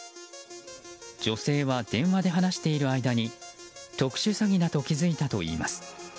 女性は電話で話している間に特殊詐欺だと気付いたといいます。